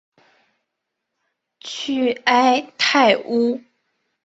屈埃泰乌。